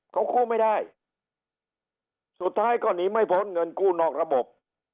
เขากู้ไม่ได้สุดท้ายก็หนีไม่พ้นเงินกู้นอกระบบ